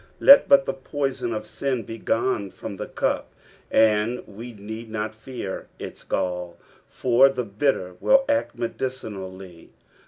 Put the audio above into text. Let but the poison of sin be gone from the cup, and wo need not fear its ga!l, for the bitter will act medicinHlly.